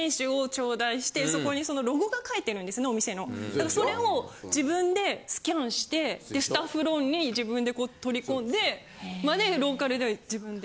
だからそれを自分でスキャンしてスタッフロールに自分でこう取り込んでまでローカルでは自分で。